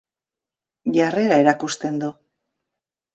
Jarrera erakusten du.